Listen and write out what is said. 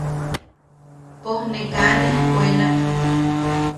Pojne kaa nejkuelak.